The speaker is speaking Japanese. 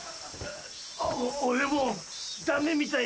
俺もうダメみたい。